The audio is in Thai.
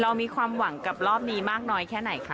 เรามีความหวังกับรอบนี้มากน้อยแค่ไหนคะ